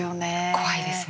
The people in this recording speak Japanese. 怖いですね。